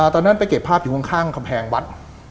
ตอนนั้นไปเก็บภาพอยู่ข้างกำแพงวัด